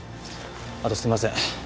あとすいません。